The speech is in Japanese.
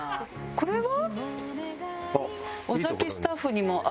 これは。